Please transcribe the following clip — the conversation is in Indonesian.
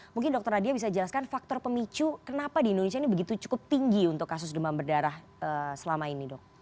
mungkin dokter nadia bisa jelaskan faktor pemicu kenapa di indonesia ini begitu cukup tinggi untuk kasus demam berdarah selama ini dok